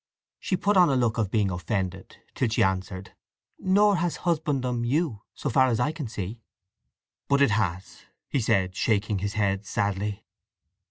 Sue put on a look of being offended, till she answered, "Nor has husbandom you, so far as I can see!" "But it has!" he said, shaking his head sadly.